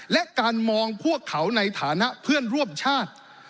และการมองพวกเขาในฐานะเพื่อนร่วมชาติ